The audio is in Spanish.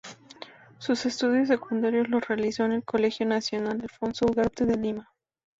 Sus estudios secundarios los realizó en el Colegio Nacional Alfonso Ugarte de Lima.